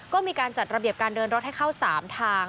ก็มีการจัดระเบียบการเดินรถให้เข้า๓ทาง